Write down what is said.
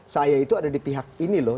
saya itu ada di pihak ini loh